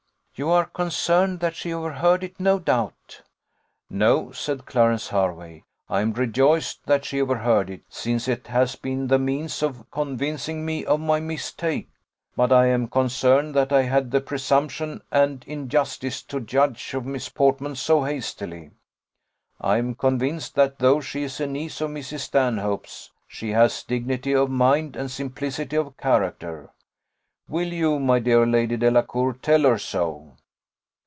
"You are concerned that she overheard it, no doubt." "No," said Clarence Hervey, "I am rejoiced that she overheard it, since it has been the means of convincing me of my mistake; but I am concerned that I had the presumption and injustice to judge of Miss Portman so hastily. I am convinced that, though she is a niece of Mrs. Stanhope's, she has dignity of mind and simplicity of character. Will you, my dear Lady Delacour, tell her so?"